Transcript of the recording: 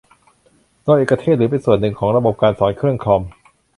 โดยเอกเทศ หรือเป็นส่วนหนึ่งของระบบการสอนเครื่องคอม